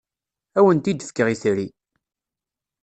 Ad awent-d-fkeɣ itri.